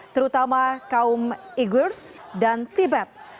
terutama kaum igurs dan tibet